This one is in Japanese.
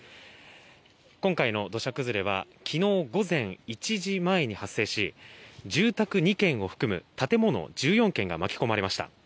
今回の土砂崩れは昨日午前１時前に発生し住宅２軒を含む建物１４軒が巻き込まれました。